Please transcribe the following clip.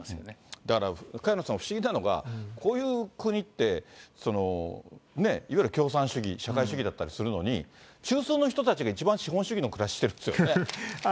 だから、萱野さん、不思議なのが、こういう国って、いわゆる共産主義、社会主義だったりするのに、中枢の人たちが一番、資本主義の暮らししてるんですよね。